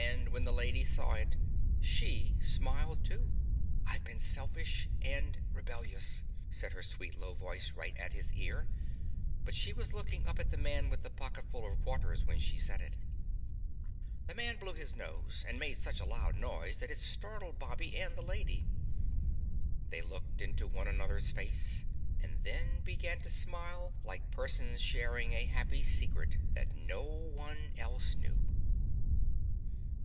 And when the Lady saw it, she smiled too. "I've been selfish and ... rebellious," said her sweet, low voice right at his ear, but she was looking up at the Man with the Pocketful of Quarters when she said it. The man blew his nose and made such a loud noise that it startled Bobby and the Lady. They looked into one another's face and then began to smile like persons sharing a happy secret that no one else knew.